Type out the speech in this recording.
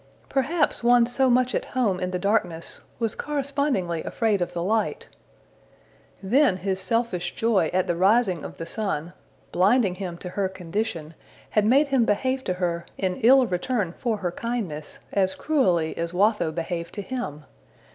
Perhaps one so much at home in the darkness was correspondingly afraid of the light! Then his selfish joy at the rising of the sun, blinding him to her condition, had made him behave to her, in ill return for her kindness, as cruelly as Watho behaved to him!